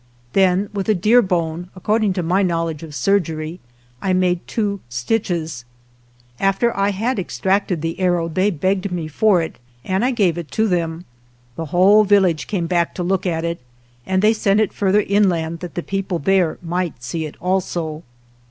Then, with a deer bone, ac cording to my knowledge of surgery, I made two stitches. After I had extracted the ar row they begged me for it, and I gave it to them. The whole village came back to look at it, and they sent it further inland that the people there might see it also.